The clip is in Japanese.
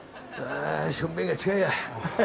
あ小便が近いや。